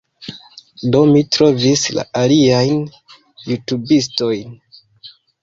Do, mi trovis la aliajn jutubistojn